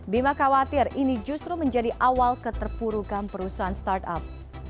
bima khawatir ini justru menjadi awal keterpurukan perusahaan startup